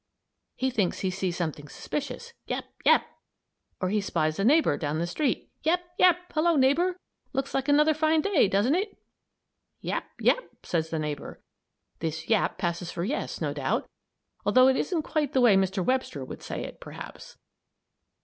He thinks he sees something suspicious: "Yap! Yap!" Or he spies a neighbor down the street: "Yap! Yap! Hello, neighbor! Looks like another fine day, doesn't it?" "Yap! Yap!" says neighbor. (This "yap" passes for "yes," no doubt although it isn't quite the way Mr. Webster would say it, perhaps.)